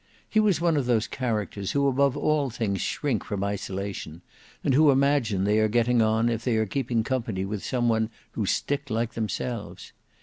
He was one of those characters who above all things shrink from isolation, and who imagine they are getting on if they are keeping company with some who stick like themselves.